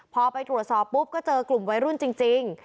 พอไปตรวจสอบปุ๊บก็เจอกลุ่มวัยรุ่นจริง